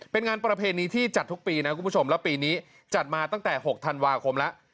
เป็นงานประเพณีที่จัดทุกปีนะคุณผู้ชมแล้วปีนี้จัดมาตั้งแต่๖ธันวาคมแล้ว